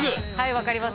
分かります